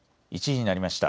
１時になりました。